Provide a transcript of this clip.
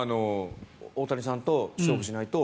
大谷さんと勝負しないと。